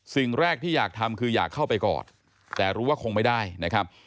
สิ่งแรกที่อยากทำคืออยากเข้าไปกอดแต่รู้ว่าคงไม่ได้นะครับ